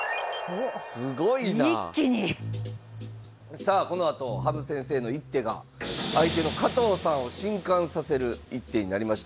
さあこのあと羽生先生の一手が相手の加藤さんを震撼させる一手になりました。